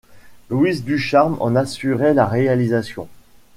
Louise Ducharme en assurait la réalisation.